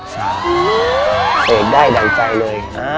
เสกได้ใดใจเลย